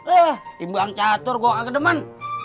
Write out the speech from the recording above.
eh imbang catur gue gak kedemen